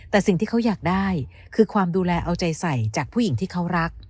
แต่สิ่งที่เขาอยากได้คือความดูแลเอาใจใส่จากผู้หญิงที่เขารัก